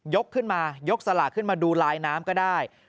ขึ้นมายกสลากขึ้นมาดูลายน้ำก็ได้